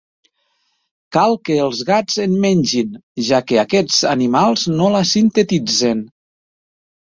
Cal que els gats en mengin, ja que aquests animals no la sintetitzen.